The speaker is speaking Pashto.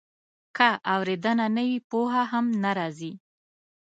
که اورېدنه نه وي، پوهه هم نه راځي.